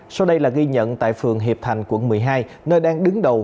sau đây là ghi nhận tại phường hiệp thành quận một mươi hai nơi đang đứng đầu